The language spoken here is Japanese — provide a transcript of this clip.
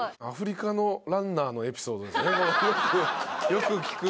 よく聞く。